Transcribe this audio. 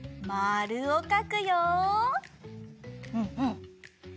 うんうん！